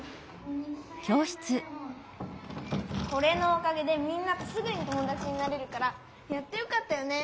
これのおかげでみんなとすぐにともだちになれるからやってよかったよね。